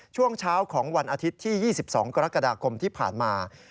ช่วงเช้าของวันอาทิตย์ที่๒๒กรกฎาคมที่ผ่านมา